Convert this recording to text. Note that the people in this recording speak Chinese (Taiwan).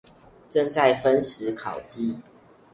正在分食烤雞